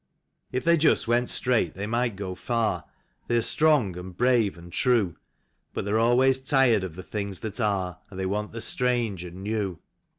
If they just went straight they might go far; They are strong and brave and true; But they're always tired of the things that are. And they want the strange and new.